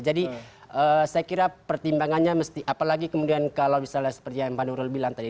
jadi saya kira pertimbangannya mesti apalagi kemudian kalau misalnya seperti yang pak nurul bilang tadi